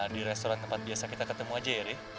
di restoran tempat biasa kita ketemu aja ya